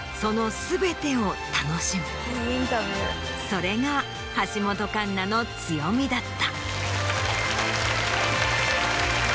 それが橋本環奈の強みだった。